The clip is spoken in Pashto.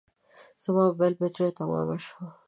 زما موبایل بټري تمامه شوه